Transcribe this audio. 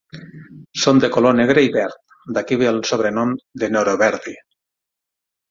Son de color negre i verd, d'aquí ve el sobrenom de "neroverdi".